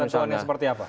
ketentuannya seperti apa